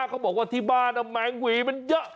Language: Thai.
เขาบอกว่าที่บ้านแมงหวีมันเยอะ